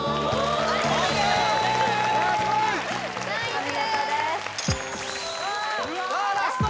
お見事ですラスト！